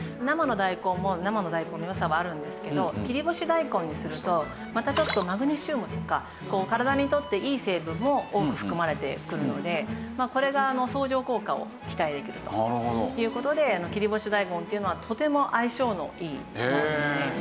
生の大根も生の大根の良さはあるんですけど切り干し大根にするとまたちょっとマグネシウムとか体にとっていい成分も多く含まれてくるのでこれが相乗効果を期待できるという事で切り干し大根っていうのはとても相性のいいものですね。